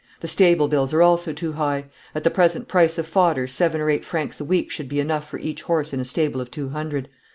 The stable bills are also too high. At the present price of fodder seven or eight francs a week should be enough for each horse in a stable of two hundred.